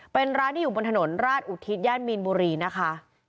เป็นร้านที่อยู่บนถนนราชอุทิศย่านมีนบุรีนะคะ